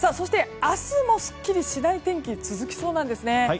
明日もすっきりしない天気続きそうなんです。